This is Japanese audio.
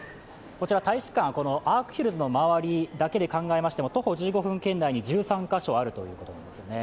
大使館、アークヒルズの周りだけで考えましても徒歩１５分圏内に１３か所あるということですね。